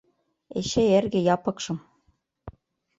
Эчей эрге Япыкшым